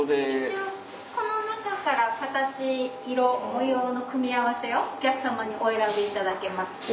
一応この中から形色模様の組み合わせをお客さまにお選びいただけます。